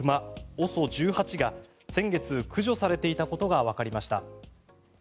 ＯＳＯ１８が先月、駆除されていたことがわかりました。